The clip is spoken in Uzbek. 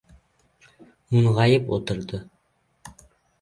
Mung‘ayib o‘tirdi.